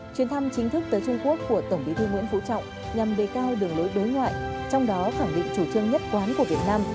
chuyến thăm chính thức tới trung quốc của tổng bí thư nguyễn phú trọng nhằm đề cao đường lối đối ngoại trong đó khẳng định chủ trương nhất quán của việt nam